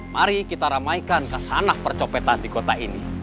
mari kita ramaikan kasanah percopetan di kota ini